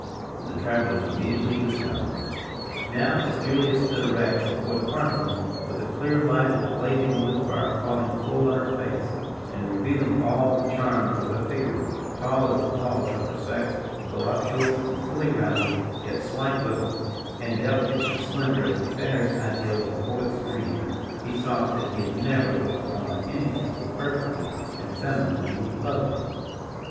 The travellers immediately dismounted. Now, as Julia stood erect before the Partisan, with the clear light of the blazing wood fire falling full on her face, and revealing all the charms of a figure, tall as the tallest of her sex, voluptuous and fully rounded, yet slight withal, and delicate and slender as the fairest ideal of a poet's dream, he thought that he had never looked upon anything so perfectly and femininely lovely.